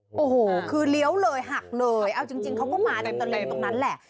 โอ้โหคือเลี้ยวเลยหักเลยเอาจริงเขาก็มาในตะเลนตรงนั้นแหละ